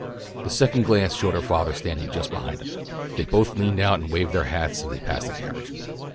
The second glance showed her father standing just behind him. They both leaned out and waved their hats as they passed the carriage.